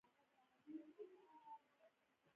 هغه ځان قانوني اولسمشر بولي.